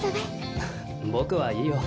ふっ僕はいいよ。